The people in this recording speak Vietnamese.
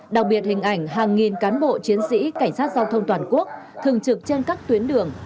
đặc biệt hình ảnh hàng nghìn cán bộ chiến sĩ cảnh sát giao thông toàn quốc thường trực trên các tuyến đường